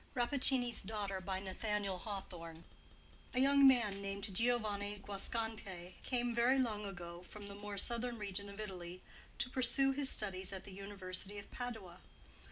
RAPPACCINI'S DAUGHTER A young man, named Giovanni Guasconti, came, very long ago, from the more southern region of Italy, to pursue his studies at the University of Padua.